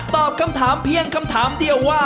ตอบคำถามเพียงคำถามเดียวว่า